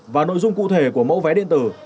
và nội dung cụ thể của mẫu vé điện tử